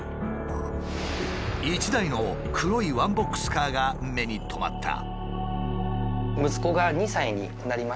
一台の黒いワンボックスカーが目に留まった。